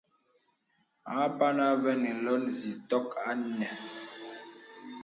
Apàn Avə̄ŋ alɛ̄n zitok inə̀.